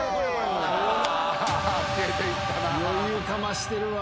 余裕かましてるわ。